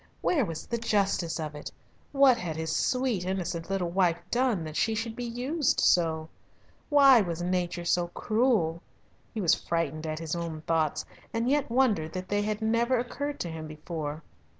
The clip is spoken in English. Where was the justice of it? What had his sweet, innocent little wife done that she should be used so? Why was nature so cruel? He was frightened at his own thoughts, and yet wondered that they had never occurred to him before.